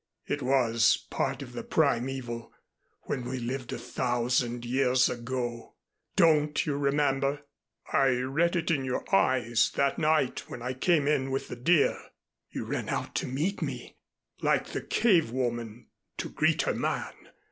It was part of the primeval, when we lived a thousand years ago. Don't you remember? I read it in your eyes that night when I came in with the deer. You ran out to meet me, like the cave woman to greet her man.